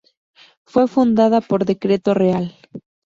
Fue fundada por decreto real.